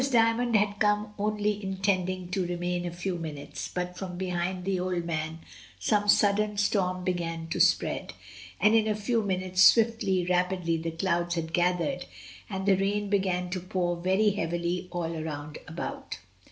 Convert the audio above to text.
Dymond had come only intending to re main a few minutes, but from behind the Old Man some sudden storm began to spread, and in a few minutes, swiftly, rapidly, the clouds had gathered, and the rain began to pour very heavily all round about.